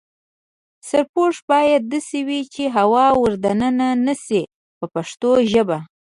سرپوښ باید داسې وي چې هوا ور دننه نشي په پښتو ژبه.